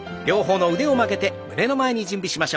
両方の腕を曲げて胸の前に。